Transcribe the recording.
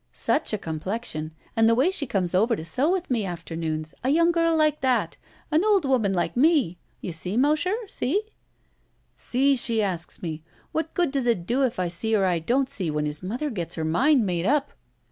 Such a com plexion! And the way she comes over to sew with me afternoons! A young girl like that! An old woman like me! You see, Mosher? See?" "See, she asks me. What good does it do me if I see or I don't see when his mother gets her mind made up?"